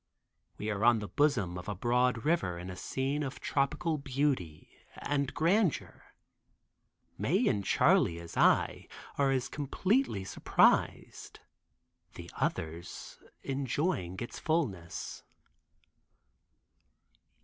We are on the bosom of a broad river in a scene of tropical beauty and grandeur. Mae and Charley, as I, are as completely surprised, the others enjoying its fulness.